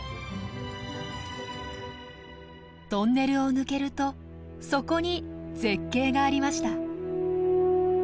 トンネルを抜けるとそこに絶景がありました。